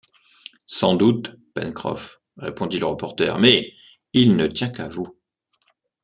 Sans doute, Pencroff, répondit le reporter, mais il ne tient qu’à vous!